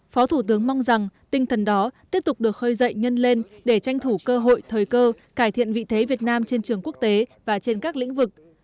phó thủ tướng mong rằng tinh thần đó tiếp tục được hơi dậy nhân lên để tranh thủ cơ hội thời cơ cải thiện vị thế việt nam trên trường quốc tế và trên các lĩnh vực